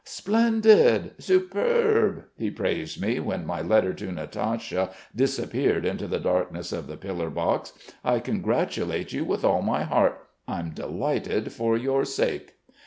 "'Splendid! Superb!' he praised me when my letter to Natasha disappeared into the darkness of the pillar box. 'I congratulate you with all my heart. I'm delighted for your sake.'